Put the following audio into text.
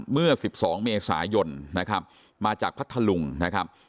เมื่อ๑๒เมษายนนะครับมาจากพัทธลุงนะครับ